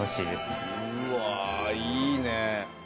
うわあいいねえ。